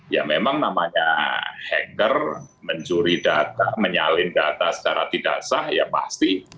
ya memang namanya hacker mencuri data menyalin data secara tidak sah ya pasti